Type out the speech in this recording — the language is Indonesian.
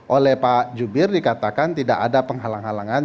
oleh pak jubir dikatakan tidak ada penghalang halangan